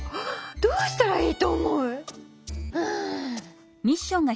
どうしたらいいと思う？はあ。